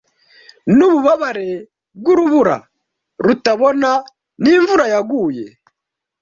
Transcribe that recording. N'ububabare bw'urubura rutabona n'imvura yaguye,